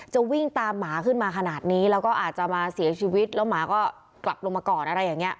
วิ่งตามหมาขึ้นมาขนาดนี้แล้วก็อาจจะมาเสียชีวิตแล้วหมาก็กลับลงมาก่อนอะไรอย่างนี้